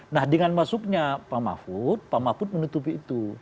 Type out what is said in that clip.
nah dengan masuknya pak mahfud pak mahfud menutupi itu